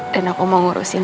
dan aku mau ngurusin